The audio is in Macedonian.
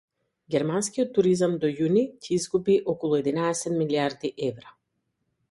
Германскиот туризам до јуни ќе изгуби околу единаесет милијарди евра